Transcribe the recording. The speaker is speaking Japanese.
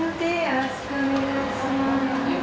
よろしくお願いします。